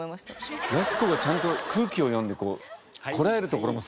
やす子がちゃんと空気を読んでこらえるところもすごくなかった？